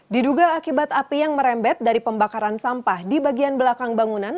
diduga akibat api yang merembet dari pembakaran sampah di bagian belakang bangunan